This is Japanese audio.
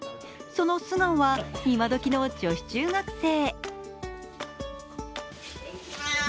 その素顔は今時の女子中学生。